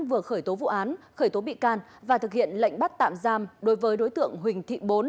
vừa khởi tố vụ án khởi tố bị can và thực hiện lệnh bắt tạm giam đối với đối tượng huỳnh thị bốn